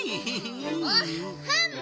おっほん！